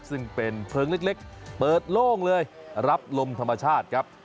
ซึ่งเป็นเพลิงเล็กเปิดโล่งเลยรับลมธรรมชาติครับ